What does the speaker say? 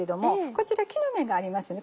こちら木の芽がありますね